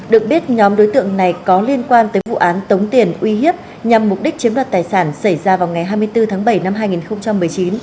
được biết nhóm đối tượng này có liên quan tới vụ án tống tiền uy hiếp nhằm mục đích chiếm đoạt tài sản xảy ra vào ngày hai mươi bốn tháng bảy năm hai nghìn một mươi chín